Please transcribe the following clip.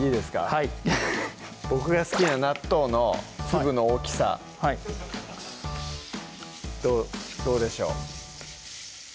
はい僕が好きな納豆の粒の大きさはいどうでしょう？